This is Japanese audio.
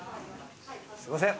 すいません。